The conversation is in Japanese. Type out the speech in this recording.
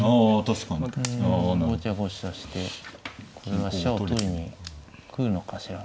ごちゃごちゃしてこれは飛車を取りに来るのかしら。